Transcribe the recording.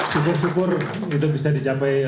syukur syukur itu bisa dicapai